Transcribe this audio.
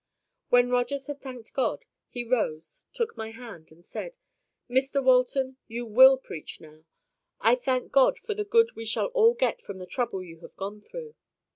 When Rogers had thanked God, he rose, took my hand, and said:— "Mr Walton, you WILL preach now. I thank God for the good we shall all get from the trouble you have gone through."